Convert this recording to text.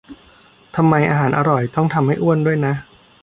ทำไมอาหารอร่อยต้องทำให้อ้วนด้วยนะ